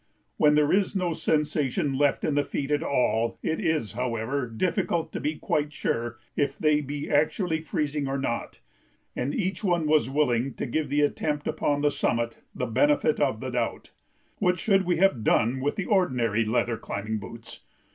When there is no sensation left in the feet at all it is, however, difficult to be quite sure if they be actually freezing or not and each one was willing to give the attempt upon the summit the benefit of the doubt. What should we have done with the ordinary leather climbing boots?